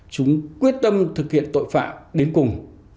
chúng quyết tâm thực hiện tội phạm đến cùng